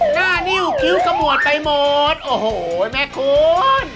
หน้านิ้วคิ้วขมวดไปหมดโอ้โหแม่คุณ